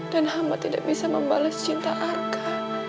dan hamba tidak bisa membalas cinta arka